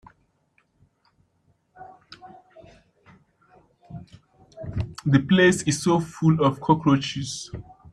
The place is so full of cockroaches.